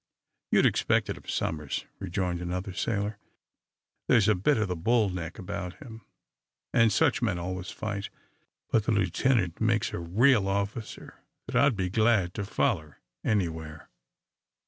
"You'd expect it of Somers," rejoined another sailor. "There's a bit of the bull neck about him, and such men always fight. But the lieutenant makes a real officer that I'd be glad to foller anywhere."